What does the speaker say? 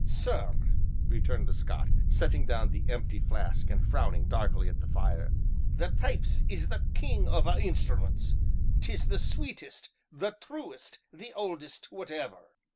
"Sir," returned the Scot, setting down the empty flask and frowning darkly at the fire, "the pipes is the king of a' instruments, 'tis the sweetest, the truest, the oldest, whateffer!"